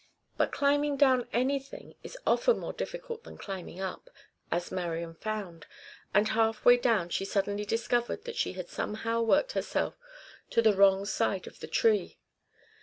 But climbing down anything is often more difficult than climbing up, as Marian found; and half way down she suddenly discovered that she had somehow worked herself to the wrong side of the tree.